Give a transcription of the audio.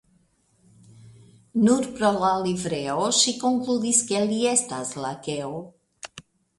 Nur pro la livreo ŝi konkludis ke li estas lakeo.